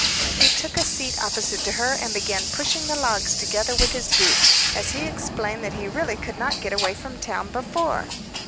He took a seat opposite to her, and began pushing the logs together with his boot, as he explained that he really could not get away from town before.